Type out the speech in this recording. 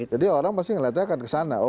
jadi orang pasti melihatnya akan ke sana